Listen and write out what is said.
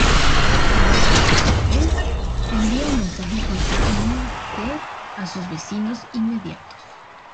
Cada proceso P, envía un mensaje con su id a sus vecinos inmediatos.